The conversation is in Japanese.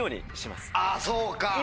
あぁそうか。